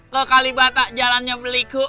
kekalibata jalannya meliku